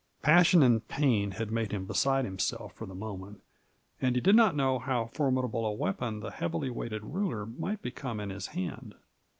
Passion and pain had made him beside himself for the moment, and he did not know how formidable a weapon the heavily weighted ruler might become in his hand.